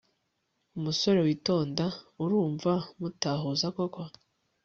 umusore witonda urumva mutahuza koko!?